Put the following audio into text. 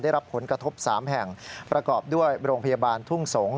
ได้รับผลกระทบ๓แห่งประกอบด้วยโรงพยาบาลทุ่งสงศ์